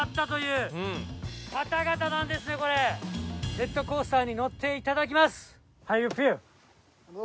ジェットコースターに乗って頂きます！